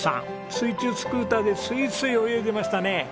水中スクーターでスイスイ泳いでましたね。